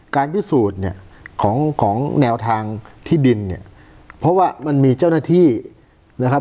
การพิสูจน์เนี่ยของของแนวทางที่ดินเนี่ยเพราะว่ามันมีเจ้าหน้าที่นะครับ